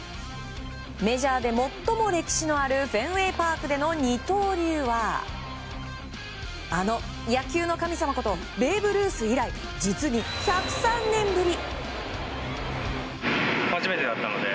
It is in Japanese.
メジャーで最も歴史のあるフェンウェイ・パークでの二刀流はあの野球の神様ことベーブ・ルース以来実に１０３年ぶり。